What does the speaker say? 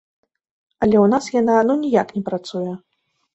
Але ў нас яна ну ніяк не працуе.